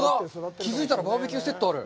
気づいたら、バーベキューセットがある。